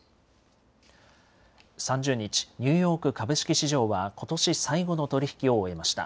３０日、ニューヨーク株式市場はことし最後の取り引きを終えました。